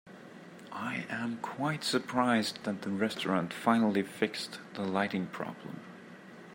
I am quite surprised that the restaurant finally fixed the lighting problem.